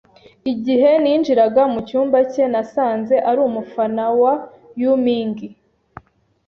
Igihe ninjiraga mucyumba cye, nasanze ari umufana wa Yuming.